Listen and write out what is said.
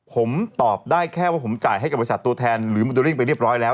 ผมตอบได้แค่ว่าผมจ่ายให้กับบริษัทตัวแทนหรือโมเดลลิ่งไปเรียบร้อยแล้ว